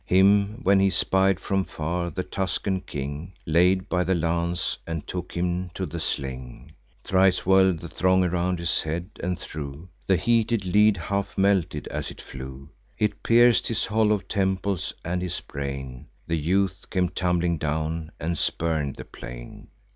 Him when he spied from far, the Tuscan king Laid by the lance, and took him to the sling, Thrice whirl'd the thong around his head, and threw: The heated lead half melted as it flew; It pierc'd his hollow temples and his brain; The youth came tumbling down, and spurn'd the plain.